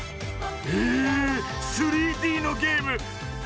え３Ｄのゲーム！